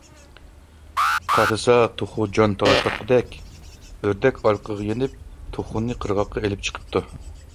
قارىسا، توخۇ جان تالىشىۋاتقۇدەك. ئۆردەك ئارقىغا يېنىپ، توخۇنى قىرغاققا ئېلىپ چىقىپتۇ.